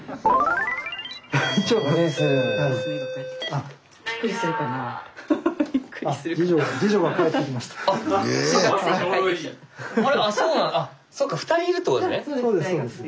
あっそっか２人いるってことですね？